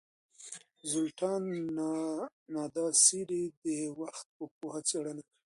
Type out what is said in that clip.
زولتان ناداسدي د وخت په پوهه څېړنه کوي.